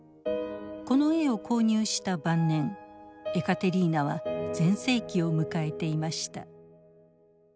この絵を購入した晩年エカテリーナは全盛期を迎えていました。